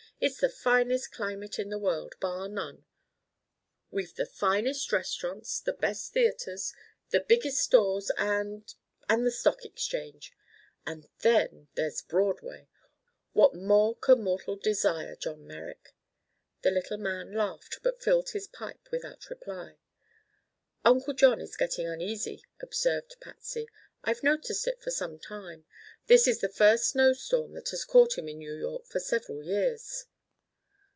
"It's the finest climate in the world—bar none. We've the finest restaurants, the best theatres, the biggest stores and—and the stock exchange. And then, there's Broadway! What more can mortal desire, John Merrick?" The little man laughed, but filled his pipe without reply. "Uncle John is getting uneasy," observed Patsy. "I've noticed it for some time. This is the first snowstorm that has caught him in New York for several years."